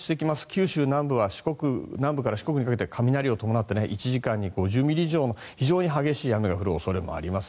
九州南部から四国にかけて雷を伴って１時間に５０ミリ以上の非常に激しい雨が降る恐れもあります。